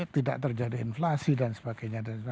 tidak terjadi inflasi dan sebagainya